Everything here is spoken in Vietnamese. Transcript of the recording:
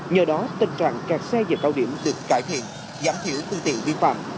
nhờ đó tình trạng cạt xe về cao điểm được cải thiện giảm thiểu tư tiệu vi phạm